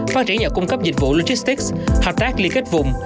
phát triển nhà cung cấp dịch vụ logistics hợp tác liên kết vùng